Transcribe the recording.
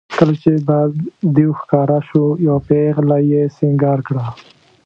کله چې به دېو ښکاره شو یوه پېغله یې سینګار کړه.